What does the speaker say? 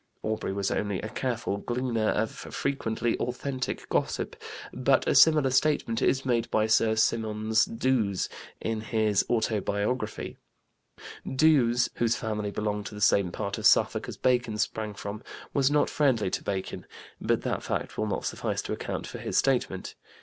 Aubrey was only a careful gleaner of frequently authentic gossip, but a similar statement is made by Sir Simonds D'Ewes in his Autobiography. D'Ewes, whose family belonged to the same part of Suffolk as Bacon's sprang from, was not friendly to Bacon, but that fact will not suffice to account for his statement.